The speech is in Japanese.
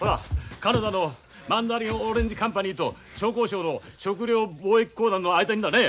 カナダのマンダリンオレンジカンパニーと商工省の食糧貿易公団の間にだね。